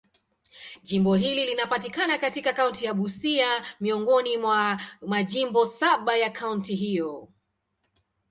Jimbo hili linapatikana katika kaunti ya Busia, miongoni mwa majimbo saba ya kaunti hiyo.